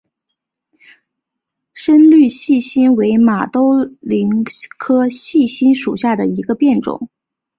深绿细辛为马兜铃科细辛属下的一个变种。